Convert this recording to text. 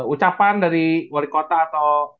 ucapan dari wali kota atau